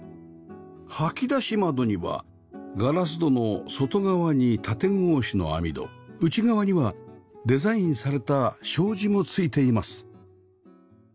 掃き出し窓にはガラス戸の外側に縦格子の網戸内側にはデザインされた障子もついています